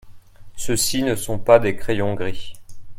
Ceux-ci ne sont pas des crayons gris.